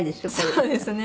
そうですね。